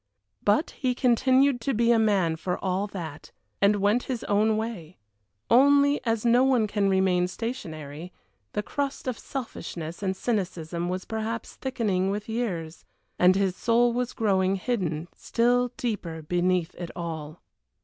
But he continued to be a man for all that, and went his own way; only as no one can remain stationary, the crust of selfishness and cynicism was perhaps thickening with years, and his soul was growing hidden still deeper beneath it all.